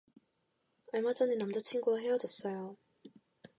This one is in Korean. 얼마 전에 남자친구와 헤어졌어요.